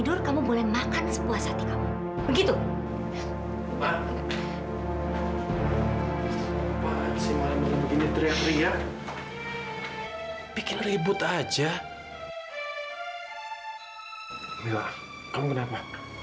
bu kalau baca jasa bejaya kenapa